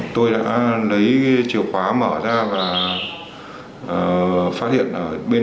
tôi đã lấy chiều khóa mở ra và phát hiện ở bên trường